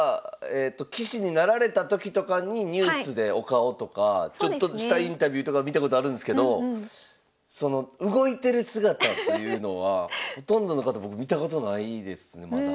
棋士になられた時とかにニュースでお顔とかちょっとしたインタビューとか見たことあるんですけどその動いてる姿っていうのはほとんどの方僕見たことないですねまだ。